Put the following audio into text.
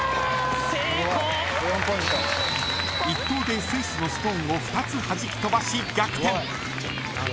１投でスイスのストーンを２つ弾き飛ばし逆転。